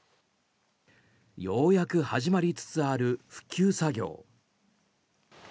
ようやく始まりつつある復旧作業。